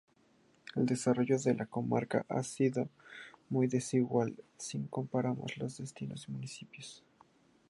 El desarrollo de la comarca ha sido muy desigual si comparamos los distintos municipios.